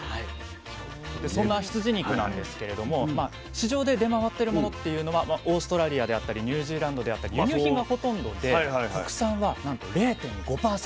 そんな羊肉なんですけれども市場で出回ってるものっていうのはオーストラリアであったりニュージーランドであったり輸入品がほとんどで国産はなんと０．５％。